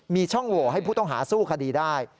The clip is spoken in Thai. มีช่องโหวให้ผู้ต้องหาสู้คดีได้